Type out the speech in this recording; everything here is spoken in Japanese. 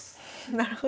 なるほど。